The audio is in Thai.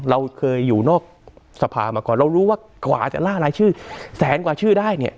เราเคยอยู่นอกสภามาก่อนเรารู้ว่ากว่าจะล่ารายชื่อแสนกว่าชื่อได้เนี่ย